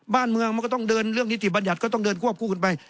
บ้านเมืองมันก็ต้องเดินเรื่องนิติบัญญัติก็ต้องเดินควบคู่กันไป